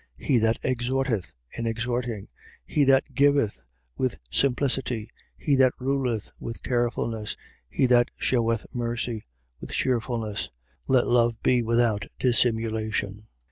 He that exhorteth, in exhorting; he that giveth, with simplicity; he that ruleth, with carefulness; he that sheweth mercy, with cheerfulness. 12:9. Let love be without dissimulation.